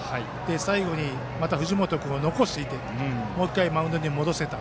最後にまだ藤本君を残していてもう１回マウンドに戻せた。